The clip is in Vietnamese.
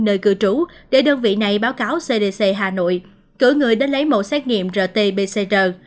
nơi cư trú để đơn vị này báo cáo cdc hà nội cử người đến lấy mẫu xét nghiệm rt pcr